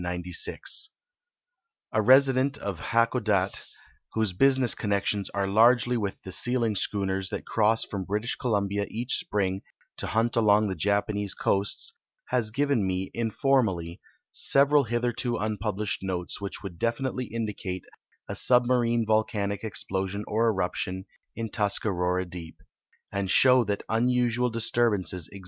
\ resident of Hakodate, whose business connections are largely with the sealing schooners that cross from British Columliia eacli spring to hunt along the Japanese coasts, has given me, inform ally, several hitherto unpublished notes wdiich would definitely indicate a submarine volcanic explosion or eruption in Tusca rora deep, and show' that unusual disturbances exi.